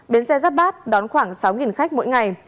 bến xe giáp bát đón khoảng sáu khách mỗi ngày